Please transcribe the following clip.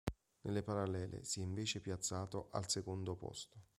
Nelle parallele si è invece piazzato al secondo posto.